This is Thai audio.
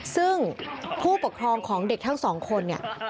ซึ่งผู้ปกครองของเด็กทั้งสองคนเนี่ย